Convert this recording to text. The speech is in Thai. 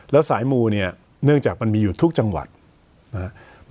แล้วสายมูเนี่ยเนื่องจากมันมีอยู่ทุกจังหวัดนะครับ